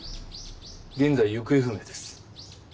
現在行方不明です。